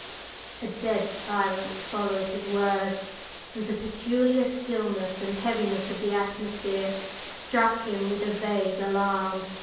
A dead silence followed his words, and the peculiar stillness and heaviness of the atmosphere struck him with a vague alarm.